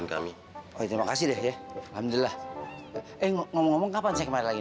oh terima kasih deh ya alhamdulillah eh ngomong ngomong kapan saya kemarin lagi